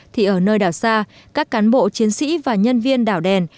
thì ở nơi đảo xa các cán bộ chiến sĩ và nhân viên đảo đèn